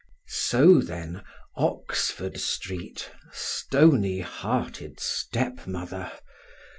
So then, Oxford Street, stony hearted step mother!